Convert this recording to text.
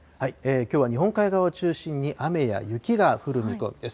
きょうは日本海側を中心に雨や雪が降る見込みです。